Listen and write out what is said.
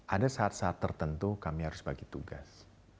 ada saat saat tertentu kami harus bagi tugas